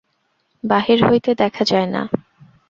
বাহির হইতে দেখা যায় না।